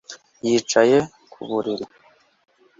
Yicaye ku buriri